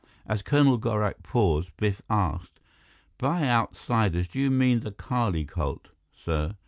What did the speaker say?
As Colonel Gorak paused, Biff asked, "By outsiders, do you mean the Kali cult, sir?"